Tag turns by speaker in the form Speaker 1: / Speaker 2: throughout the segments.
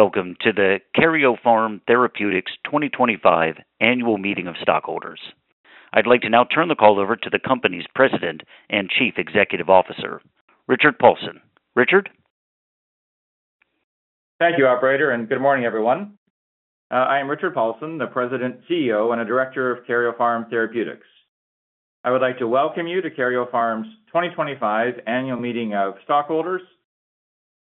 Speaker 1: Welcome to the Karyopharm Therapeutics 2025 annual meeting of stockholders. I'd like to now turn the call over to the company's President and Chief Executive Officer, Richard Paulson. Richard?
Speaker 2: Thank you, operator, and good morning, everyone. I am Richard Paulson, the President, CEO, and Director of Karyopharm Therapeutics. I would like to welcome you to Karyopharm's 2025 annual meeting of stockholders.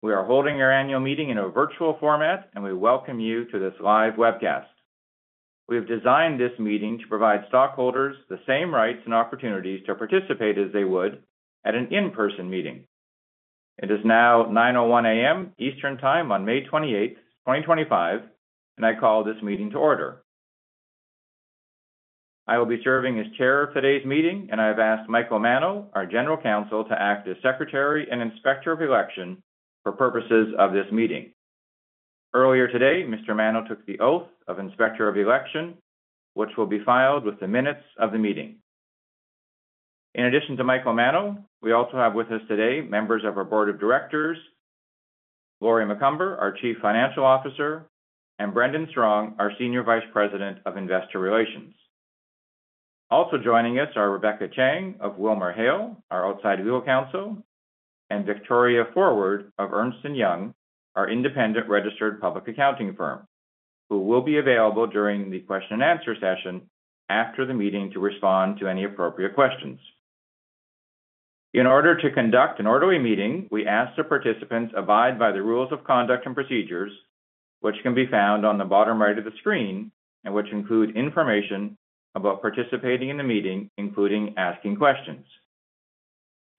Speaker 2: We are holding our annual meeting in a virtual format, and we welcome you to this live webcast. We have designed this meeting to provide stockholders the same rights and opportunities to participate as they would at an in-person meeting. It is now 9:01 A.M. Eastern Time on May 28th, 2025, and I call this meeting to order. I will be serving as Chair of today's meeting, and I have asked Michael Mano, our General Counsel, to act as Secretary and Inspector of Election for purposes of this meeting. Earlier today, Mr. Mano took the oath of Inspector of Election, which will be filed with the minutes of the meeting. In addition to Michael Mano, we also have with us today members of our Board of Directors: Lori Macomber, our Chief Financial Officer, and Brendan Strong, our Senior Vice President of Investor Relations. Also joining us are Rebecca Chang of WilmerHale, our outside legal counsel, and Victoria Forward of Ernst & Young, our independent registered public accounting firm, who will be available during the question-and-answer session after the meeting to respond to any appropriate questions. In order to conduct an orderly meeting, we ask that participants abide by the rules of conduct and procedures, which can be found on the bottom right of the screen and which include information about participating in the meeting, including asking questions.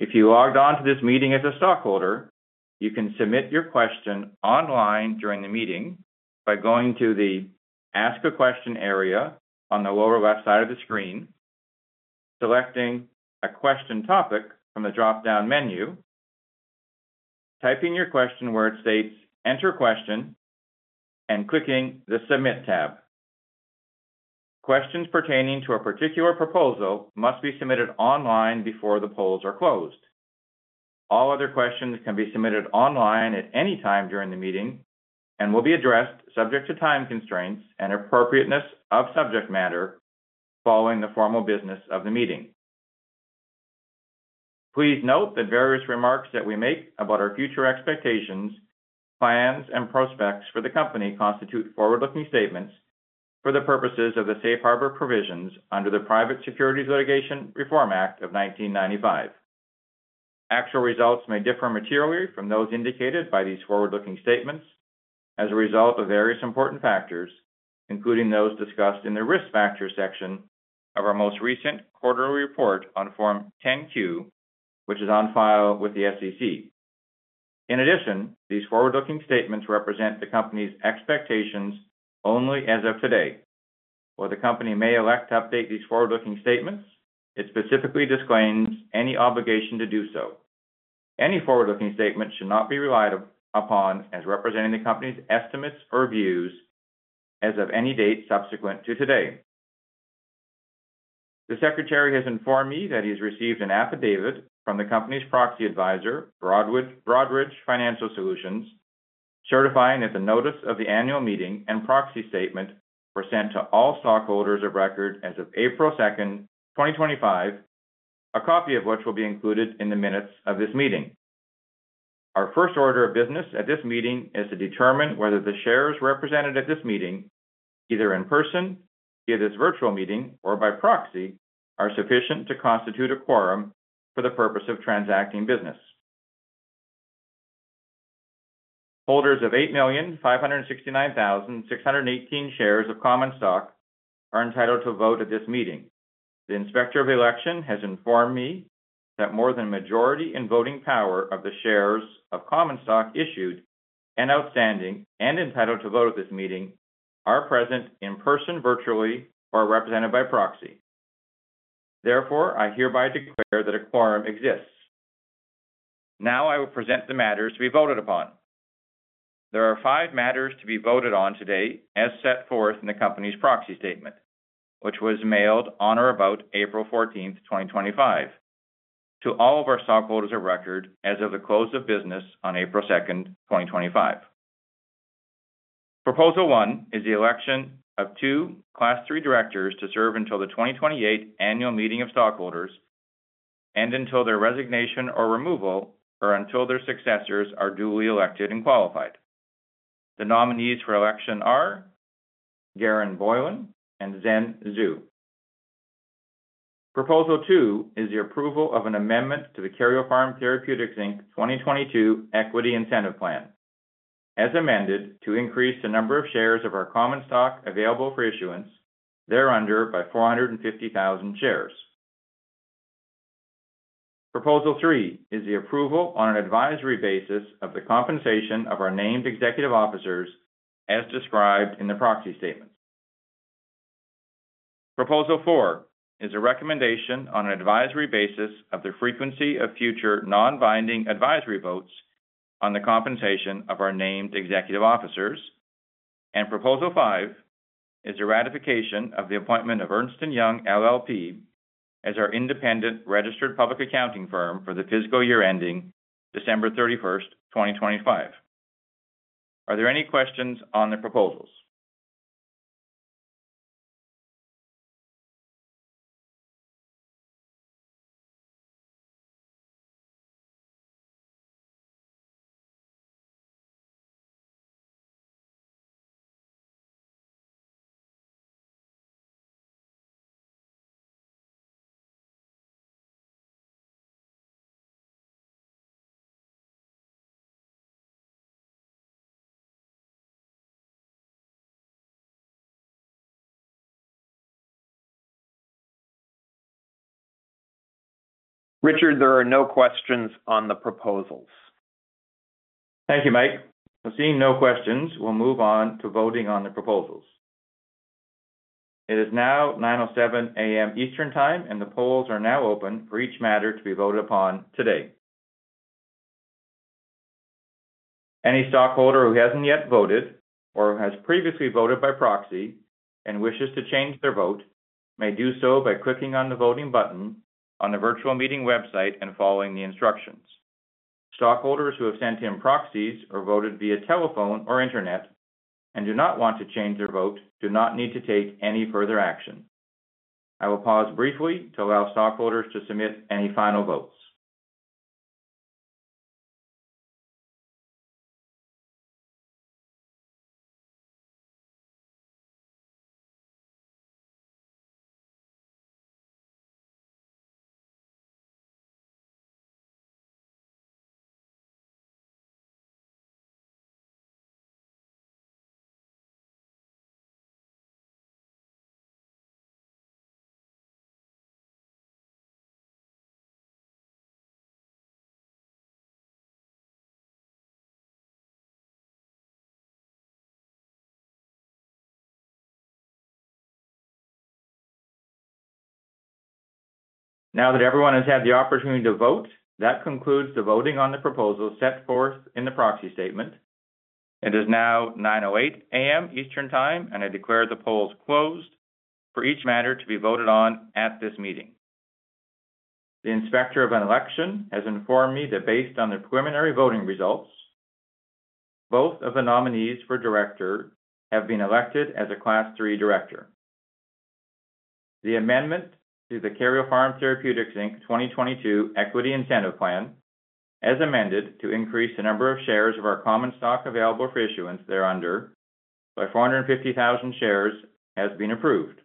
Speaker 2: If you logged on to this meeting as a stockholder, you can submit your question online during the meeting by going to the Ask a Question area on the lower left side of the screen, selecting a question topic from the drop-down menu, typing your question where it states "Enter Question," and clicking the Submit tab. Questions pertaining to a particular proposal must be submitted online before the polls are closed. All other questions can be submitted online at any time during the meeting and will be addressed, subject to time constraints and appropriateness of subject matter, following the formal business of the meeting. Please note that various remarks that we make about our future expectations, plans, and prospects for the company constitute forward-looking statements for the purposes of the safe harbor provisions under the Private Securities Litigation Reform Act of 1995. Actual results may differ materially from those indicated by these forward-looking statements as a result of various important factors, including those discussed in the risk factor section of our most recent quarterly report on Form 10-Q, which is on file with the SEC. In addition, these forward-looking statements represent the company's expectations only as of today. While the company may elect to update these forward-looking statements, it specifically disclaims any obligation to do so. Any forward-looking statement should not be relied upon as representing the company's estimates or views as of any date subsequent to today. The Secretary has informed me that he has received an affidavit from the company's proxy advisor, Broadridge Financial Solutions, certifying that the notice of the annual meeting and proxy statement were sent to all stockholders of record as of April 2nd, 2025, a copy of which will be included in the minutes of this meeting. Our first order of business at this meeting is to determine whether the shares represented at this meeting, either in person via this virtual meeting or by proxy, are sufficient to constitute a quorum for the purpose of transacting business. Holders of 8,569,618 shares of common stock are entitled to vote at this meeting. The Inspector of Election has informed me that more than a majority in voting power of the shares of common stock issued and outstanding and entitled to vote at this meeting are present in person, virtually, or represented by proxy. Therefore, I hereby declare that a quorum exists. Now I will present the matters to be voted upon. There are five matters to be voted on today as set forth in the company's proxy statement, which was mailed on or about April 14th, 2025, to all of our stockholders of record as of the close of business on April 2nd, 2025. Proposal one is the election of two Class 3 directors to serve until the 2028 annual meeting of stockholders and until their resignation or removal or until their successors are duly elected and qualified. The nominees for election are Garen Boylan and Zhen Zhu. Proposal two is the approval of an amendment to the Karyopharm Therapeutics 2022 Equity Incentive Plan, as amended to increase the number of shares of our common stock available for issuance thereunder by 450,000 shares. Proposal three is the approval on an advisory basis of the compensation of our named executive officers as described in the proxy statement. Proposal four is a recommendation on an advisory basis of the frequency of future non-binding advisory votes on the compensation of our named executive officers, and proposal five is the ratification of the appointment of Ernst & Young LLP as our independent registered public accounting firm for the fiscal year ending December 31st, 2025. Are there any questions on the proposals?
Speaker 3: Richard, there are no questions on the proposals.
Speaker 2: Thank you, Mike. I'm seeing no questions. We'll move on to voting on the proposals. It is now 9:07 A.M. Eastern Time, and the polls are now open for each matter to be voted upon today. Any stockholder who hasn't yet voted or has previously voted by proxy and wishes to change their vote may do so by clicking on the voting button on the virtual meeting website and following the instructions. Stockholders who have sent in proxies or voted via telephone or internet and do not want to change their vote do not need to take any further action. I will pause briefly to allow stockholders to submit any final votes. Now that everyone has had the opportunity to vote, that concludes the voting on the proposals set forth in the proxy statement. It is now 9:08 A.M. Eastern Time, and I declare the polls closed for each matter to be voted on at this meeting. The Inspector of Election has informed me that based on the preliminary voting results, both of the nominees for director have been elected as a Class 3 director. The amendment to the Karyopharm Therapeutics 2022 Equity Incentive Plan, as amended to increase the number of shares of our common stock available for issuance thereunder by 450,000 shares, has been approved.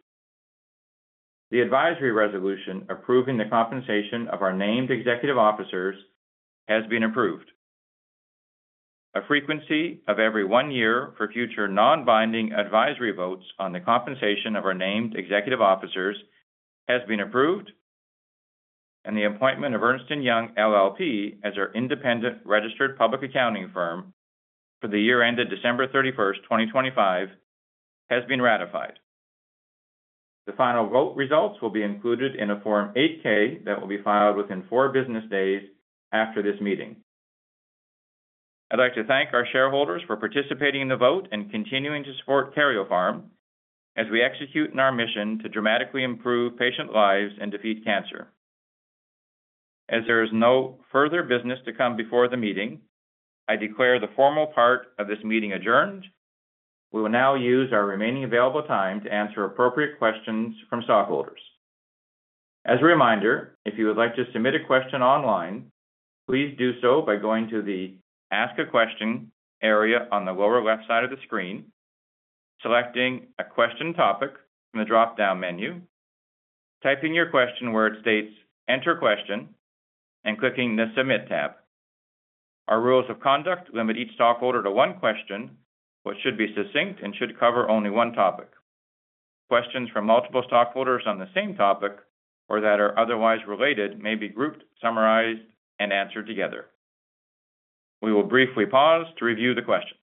Speaker 2: The advisory resolution approving the compensation of our named executive officers has been approved. A frequency of every one year for future non-binding advisory votes on the compensation of our named executive officers has been approved, and the appointment of Ernst & Young LLP as our independent registered public accounting firm for the year ended December 31st, 2025, has been ratified. The final vote results will be included in a Form 8-K that will be filed within four business days after this meeting. I'd like to thank our shareholders for participating in the vote and continuing to support Karyopharm as we execute in our mission to dramatically improve patient lives and defeat cancer. As there is no further business to come before the meeting, I declare the formal part of this meeting adjourned. We will now use our remaining available time to answer appropriate questions from stockholders. As a reminder, if you would like to submit a question online, please do so by going to the Ask a Question area on the lower left side of the screen, selecting a question topic from the drop-down menu, typing your question where it states "Enter Question," and clicking the Submit tab. Our rules of conduct limit each stockholder to one question, which should be succinct and should cover only one topic. Questions from multiple stockholders on the same topic or that are otherwise related may be grouped, summarized, and answered together. We will briefly pause to review the questions.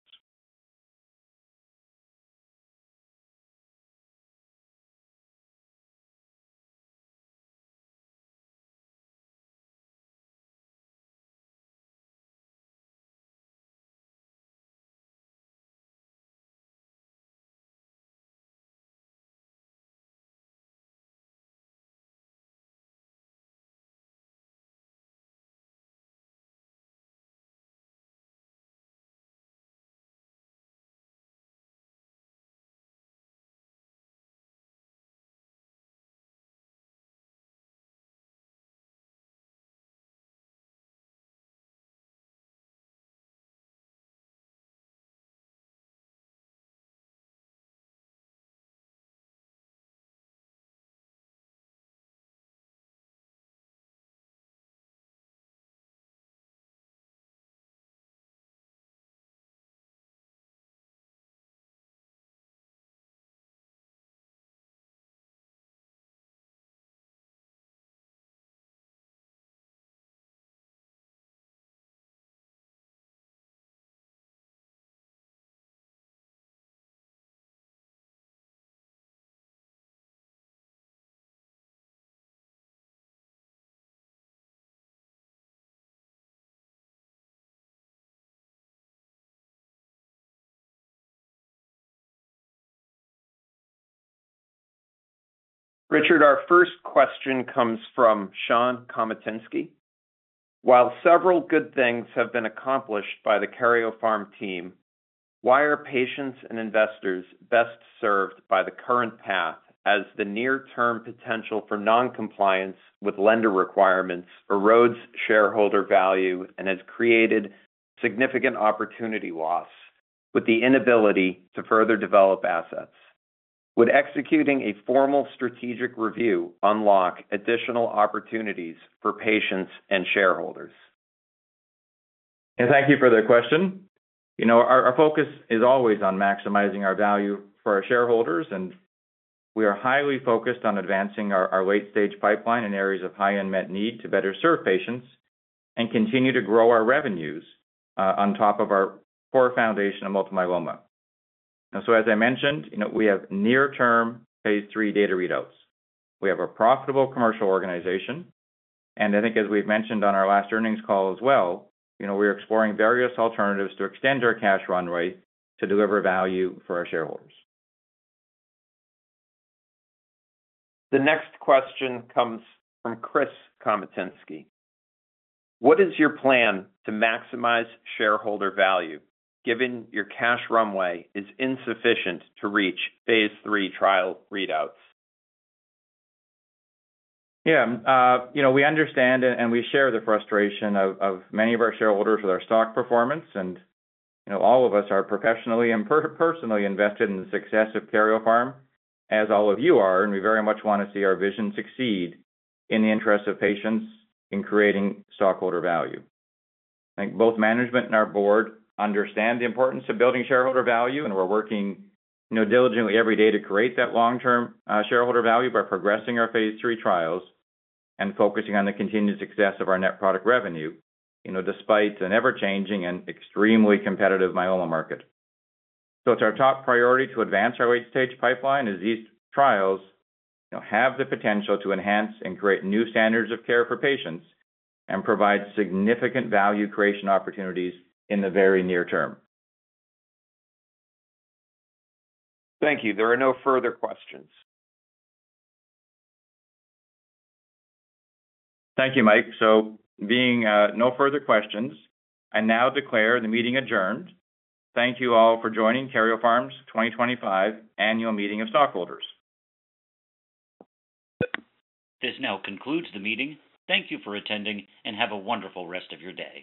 Speaker 3: Richard, our first question comes from Sean Comitinski. While several good things have been accomplished by the Karyopharm team, why are patients and investors best served by the current path as the near-term potential for non-compliance with lender requirements erodes shareholder value and has created significant opportunity loss with the inability to further develop assets? Would executing a formal strategic review unlock additional opportunities for patients and shareholders?
Speaker 2: Thank you for the question. You know, our focus is always on maximizing our value for our shareholders, and we are highly focused on advancing our late-stage pipeline in areas of high unmet need to better serve patients and continue to grow our revenues on top of our core foundation of multiple myeloma. As I mentioned, you know, we have near-term phase III data readouts. We have a profitable commercial organization, and I think, as we've mentioned on our last earnings call as well, you know, we're exploring various alternatives to extend our cash runway to deliver value for our shareholders.
Speaker 3: The next question comes from Chris Comitinski. What is your plan to maximize shareholder value given your cash runway is insufficient to reach phase III trial readouts?
Speaker 2: Yeah, you know, we understand and we share the frustration of many of our shareholders with our stock performance, and you know, all of us are professionally and personally invested in the success of Karyopharm, as all of you are, and we very much want to see our vision succeed in the interest of patients in creating stockholder value. I think both management and our board understand the importance of building shareholder value, and we're working diligently every day to create that long-term shareholder value by progressing our phase III trials and focusing on the continued success of our net product revenue, you know, despite an ever-changing and extremely competitive myeloma market. It's our top priority to advance our late-stage pipeline as these trials, you know, have the potential to enhance and create new standards of care for patients and provide significant value creation opportunities in the very near term.
Speaker 3: Thank you. There are no further questions.
Speaker 2: Thank you, Mike. Being no further questions, I now declare the meeting adjourned. Thank you all for joining Karyopharm's 2025 annual meeting of stockholders.
Speaker 1: This now concludes the meeting. Thank you for attending and have a wonderful rest of your day.